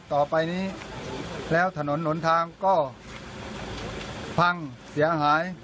ต่อไปนี้แล้วถนนหนทางก็พังเสียหาย